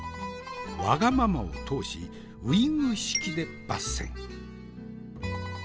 わがままを通しウイング式で抜栓。